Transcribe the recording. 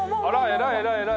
偉い偉い。